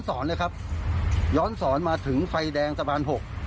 สอนเลยครับย้อนสอนมาถึงไฟแดงสะพาน๖